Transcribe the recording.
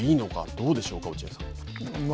どうでしょうか、落合さん。